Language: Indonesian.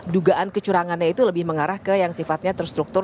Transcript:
dugaan kecurangannya itu lebih mengarah ke yang sifatnya terstruktur